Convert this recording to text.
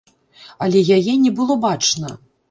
Але яе не было бачна.